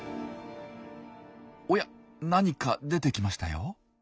おや何か出てきましたよ。